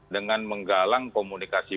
dengan menggalang komunikasi